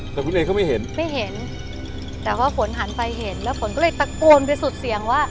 แต่คุณเอเขาไม่เห็นไม่เห็นแต่พอฝนหันไปเห็นแล้วฝนก็เลยตะโกนไปสุดเสียงว่า